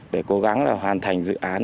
để cố gắng hoàn thành dự án